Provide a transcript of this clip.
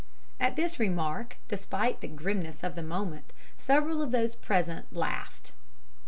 "At this remark, despite the grimness of the moment, several of those present laughed.